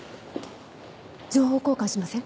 情報交換しません？